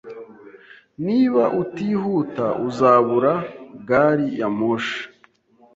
Niba utihuta, uzabura gari ya moshi.